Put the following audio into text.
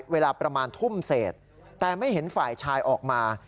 เวลาประมาณทุ่มเศษแต่ไม่เห็นฝ่ายชายออกมา